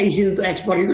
isi untuk ekspor itu